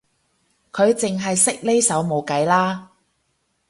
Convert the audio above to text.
佢淨係識呢首冇計啦